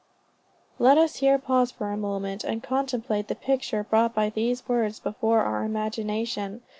Let us here pause for a moment and contemplate the picture brought by these words before our imagination.